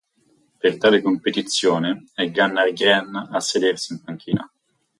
Per tale competizione è Gunnar Gren a sedersi in panchina.